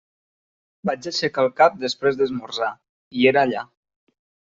Vaig aixecar el cap després d'esmorzar, i era allà.